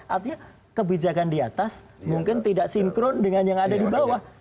artinya kebijakan di atas mungkin tidak sinkron dengan yang ada di bawah